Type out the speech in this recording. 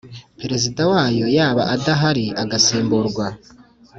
Perezida wayo yaba adahari agasimburwa